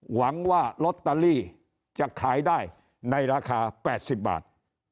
หวังว่าลอตเตอรี่จะขายได้ในราคา๘๐บาท